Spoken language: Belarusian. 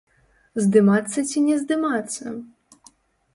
Здымацца ці не здымацца?